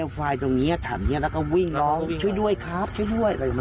ไฟล์ตรงนี้ถามอย่างนี้แล้วก็วิ่งร้องช่วยด้วยครับช่วยด้วย